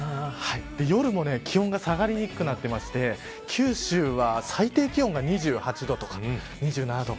夜も気温が下がりにくくなっていて九州は、最低気温が２８度とか２７度。